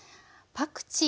パクチー。